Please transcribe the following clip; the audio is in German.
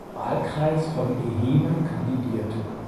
Wahlkreis von Ehime kandidierte.